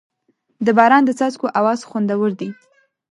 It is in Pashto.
د باران د څاڅکو اواز خوندور دی.